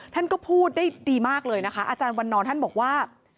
ท่านก็พูดได้ดีมากเลยนะคะอาจารย์วันนอนท่านบอกว่า